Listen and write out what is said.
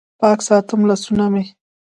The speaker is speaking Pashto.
پاک ساتم لاسونه مې